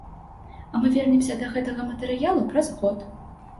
А мы вернемся да гэтага матэрыялу праз год.